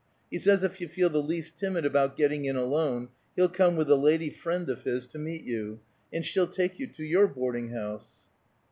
He says if you feel the least timid about getting in alone, he'll come with a lady friend of his, to meet you, and she'll take you to your boarding house."